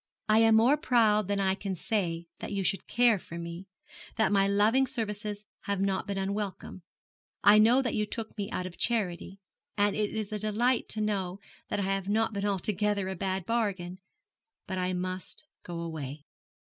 I am more proud than I can say that you should care for me that my loving services have not been unwelcome. I know that you took me out of charity; and it is a delight to know that I have not been altogether a bad bargain. But I must go away.'